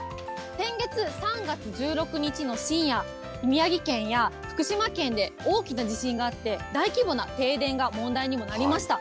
先月、３月１６日の深夜、宮城県や福島県で大きな地震があって、大規模な停電が問題にもなりました。